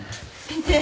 先生。